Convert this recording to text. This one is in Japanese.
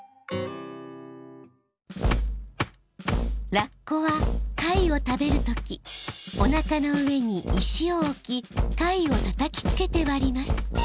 ラッコは貝を食べる時おなかの上に石を置き貝をたたきつけて割ります